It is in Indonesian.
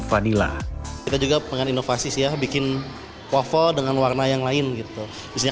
fadila kita juga pengen inovasi sih ya bikin waffel dengan warna yang lain gitu isinya